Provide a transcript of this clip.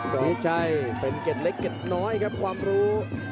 นี่ใช่เป็นเกตเล็กเกตน้อยครับความรู้